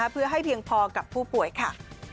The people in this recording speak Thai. เพื่อให้เพียงพอกับผู้ป่วยค่ะ